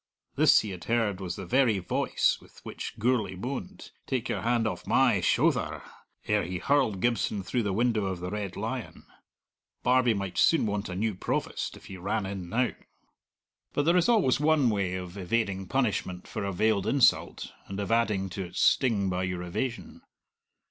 This, he had heard, was the very voice with which Gourlay moaned, "Take your hand off my shouther!" ere he hurled Gibson through the window of the Red Lion. Barbie might soon want a new Provost, if he ran in now. But there is always one way of evading punishment for a veiled insult, and of adding to its sting by your evasion.